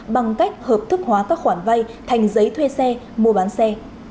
bằng cách hợp thức hóa các khoản vay thành giấy thuê xe mua bán xe